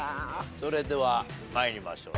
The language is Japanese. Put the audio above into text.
それでは参りましょう。